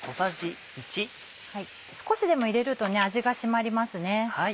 少しでも入れると味が締まりますね。